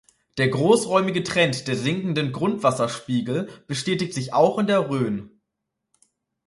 Der großräumige Trend der sinkenden Grundwasserspiegel bestätigt sich auch in der Rhön.